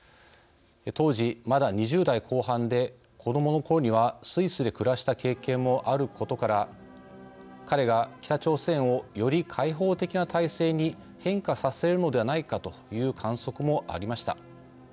当時まだ２０代後半で子どものころにはスイスで暮らした経験もあることから彼が北朝鮮をより開放的な体制に変化させるのではないかという観測もありました。